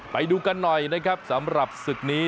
ไปดูกันหน่อยนะครับสำหรับศึกนี้